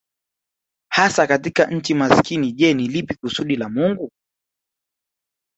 hasa katika nchi masikini Je ni lipi kusudi la Mungu